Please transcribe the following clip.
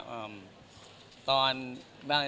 อืมตอนบาร์เนตไทยเนี่ย